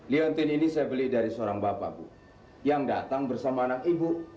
leontin ini saya beli dari seorang bapak bu yang datang bersama anak ibu